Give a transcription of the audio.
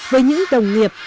với những đồng nghiệp